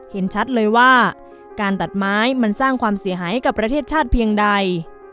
เห็นชัดเลยว่าการตัดไม้มันสร้างความเสียหายให้กับประเทศชาติเพียงใด